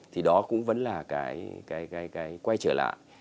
thì đó cũng vẫn là cái quay trở lại